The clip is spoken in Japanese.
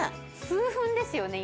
数分ですよね？